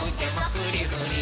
フリフリ。